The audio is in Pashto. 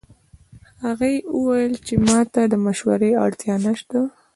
هغې وویل چې ما ته د مشورې اړتیا نه شته